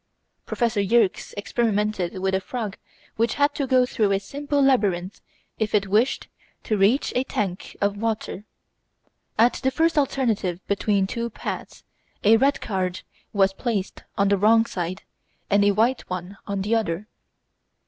Professor Yerkes experimented with a frog which had to go through a simple labyrinth if it wished to reach a tank of water. At the first alternative between two paths, a red card was placed on the wrong side and a white one on the other.